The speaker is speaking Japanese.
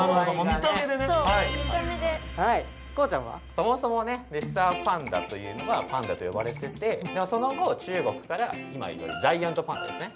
そもそもねレッサーパンダというのがパンダとよばれててその後中国から今いるジャイアントパンダですね